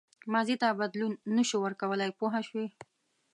ماضي ته بدلون نه شو ورکولای پوه شوې!.